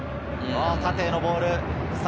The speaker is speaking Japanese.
縦へのボール。